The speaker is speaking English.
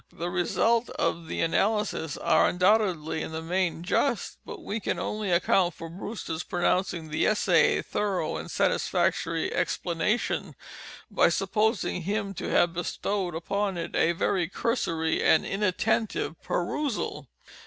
The _results _of the analysis are undoubtedly, in the main, just; but we can only account for Brewster's pronouncing the Essay a thorough and satisfactory explanation, by supposing him to have bestowed upon it a very cursory and inattentive perusal.